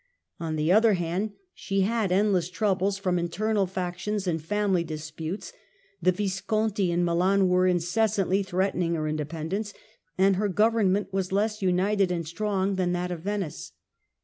On the other hand. ITALY, 1313 1378 95 she had endless troubles from internal factions and family disputes ; the Visconti in Milan were incessantly threatening her independence, and her government was less united and strong than that of Venice.